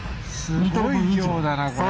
すごい量だなこれ。